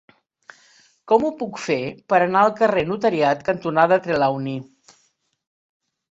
Com ho puc fer per anar al carrer Notariat cantonada Trelawny?